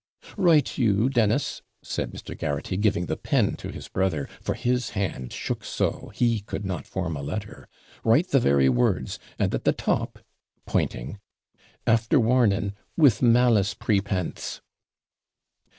'Write you, Dennis,' said Mr. Garraghty, giving the pen to his brother; for his hand shook so he could not form a letter. 'Write the very words, and at the top' (pointing) after warning, WITH MALICE PREPENSE.'